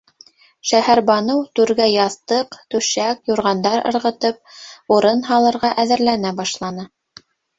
Шәһәрбаныу, түргә яҫтыҡ, түшәк, юрғандар ырғытып, урын һалырға әҙерләнә башланы.